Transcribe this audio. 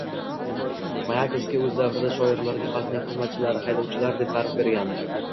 Mayakovskiy oʻz davrida shoirlarga xalqning xizmatchilari, haydovchilari deb taʼrif bergandi